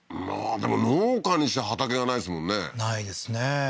まあでも農家にしちゃ畑がないですもんねないですね